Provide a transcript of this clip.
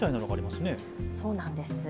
そうなんです。